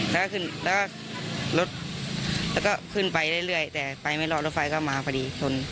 แล้วก็รถแล้วก็ขึ้นไปเรื่อยแต่ไปไม่รอดรถไฟก็มาพอดีชน